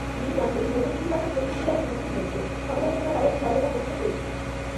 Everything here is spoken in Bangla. মিনিগামগুলি মূলত ইতিবাচক প্রতিক্রিয়ার সম্মুখীন হয়েছিল, সমালোচকরা তাদের সরলতার প্রশংসা করেছিল।